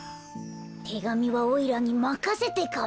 てがみはおいらにまかせてカメ。